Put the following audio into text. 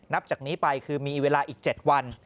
นับจากนี้ไปคือมีเวลาอีก๗วัน